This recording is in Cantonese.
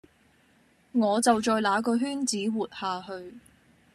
我就在那個圈子活下去